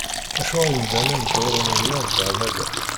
Acuɣer imdanen ttḍurrun wiyaḍ beεmada?